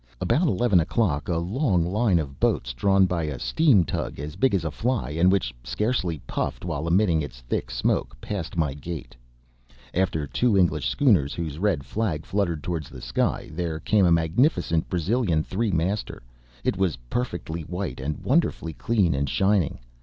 About eleven o'clock, a long line of boats drawn by a steam tug, as big as a fly, and which scarcely puffed while emitting its thick smoke, passed my gate. After two English schooners, whose red flag fluttered toward the sky, there came a magnificent Brazilian three master; it was perfectly white and wonderfully clean and shining.